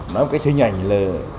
nói một cách hình ảnh là